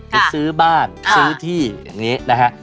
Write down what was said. ไปซื้อบ้านซื้อที่อย่างนี้นะฮะ